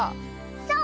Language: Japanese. そう！